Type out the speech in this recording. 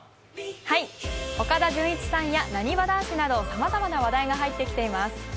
岡田准一さんやなにわ男子などさまざまな話題が入ってきています。